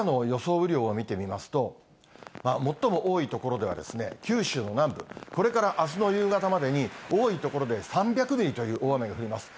雨量を見てみますと、最も多い所では、九州の南部、これからあすの夕方までに、多い所で３００ミリという大雨が降ります。